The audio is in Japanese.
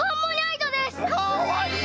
かわいい。